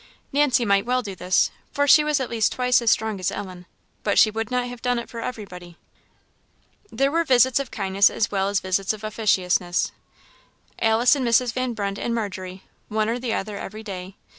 Nancy might well do this, for she was at least twice as strong as Ellen; but she would not have done it for everybody. There were visits of kindness as well as visits of officiousness. Alice and Mrs. Van Brunt and Margery, one or the other every day.